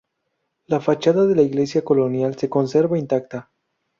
La fachada de la iglesia colonial se conserva intacta.